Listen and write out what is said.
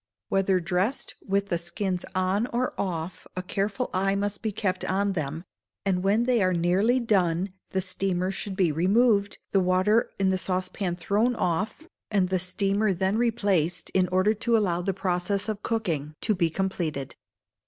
Whether dressed with the skins on or off a careful eye must be kept on them, and when they are nearly done the steamer should be removed, the water in the saucepan thrown off, and the steamer then replaced, in order to allow the process of cooking to be completed.